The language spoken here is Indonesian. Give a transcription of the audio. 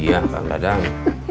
iya kan dadang